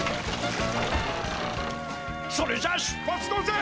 それじゃあ出発だぜ！